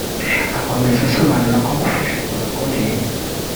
Akomeza asobanura ko gufasha abo bagore